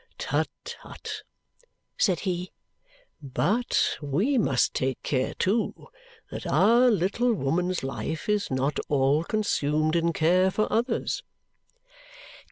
"Tut tut!" said he. "But we must take care, too, that our little woman's life is not all consumed in care for others."